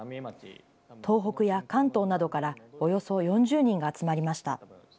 東北や関東などからおよそ４０人が集まりました。